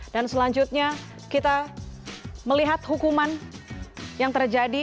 dan selanjutnya kita melihat hukuman yang terjadi